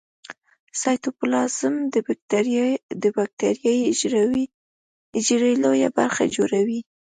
سایتوپلازم د باکتریايي حجرې لویه برخه جوړوي.